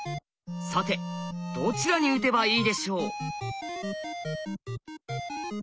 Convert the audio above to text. さてどちらに打てばいいでしょう？